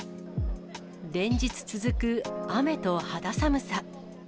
連日続く雨と肌寒さ。